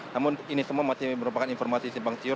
namun ini semua masih merupakan informasi simpang siur